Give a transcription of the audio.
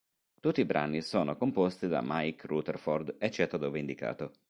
Tutti i brani sono composti da Mike Rutherford eccetto dove indicato.